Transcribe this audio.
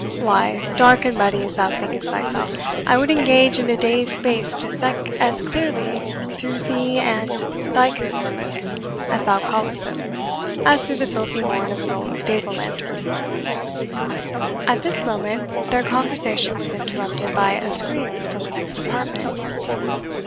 "Why, dark and muddy as thou think'st thyself, I would engage in a day's space to see as clear through thee and thy concernments, as thou callest them, as through the filthy horn of an old stable lantern." At this moment their conversation was interrupted by a scream from the next apartment.